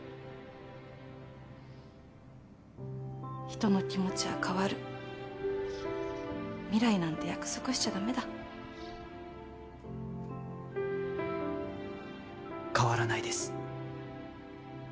人の気持ちは変わる未来なんて約束しちゃダメだ変わらないです